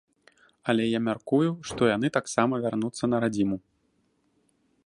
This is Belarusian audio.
Але я мяркую, што яны таксама вернуцца на радзіму.